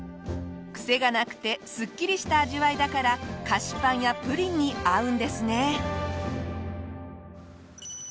癖がなくてすっきりした味わいだから菓子パンやプリンに合うんですね。